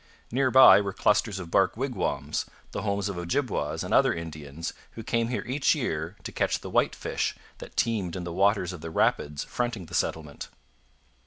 Near by were clusters of bark wigwams, the homes of Ojibwas and other Indians, who came here each year to catch the whitefish that teemed in the waters of the rapids fronting the settlement.